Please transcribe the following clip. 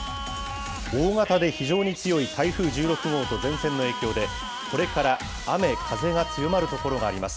大型で非常に強いたいふう１６号と前線の影響で、これから雨風が強まる所があります。